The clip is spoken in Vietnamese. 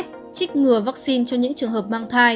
trích ngừa vaccine cho những trường hợp mang thai